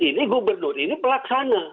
ini gubernur ini pelaksana